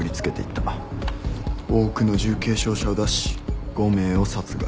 多くの重軽傷者を出し５名を殺害。